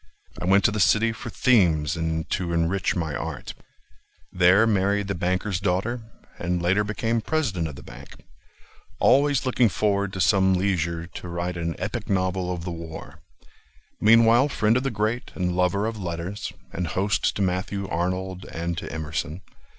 I went to the city for themes and to enrich my art; There married the banker's daughter, And later became president of the bank— Always looking forward to some leisure To write an epic novel of the war. Meanwhile friend of the great, and lover of letters, And host to Matthew Arnold and to Emerson.